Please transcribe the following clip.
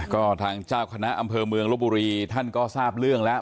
ก็ทางเจ้าคณะอำเภอเมืองลบบุรีท่านก็ทราบเรื่องแล้ว